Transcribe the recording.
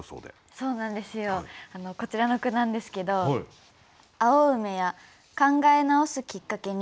そうなんですよこちらの句なんですけど「青梅や考え直すきっかけに」。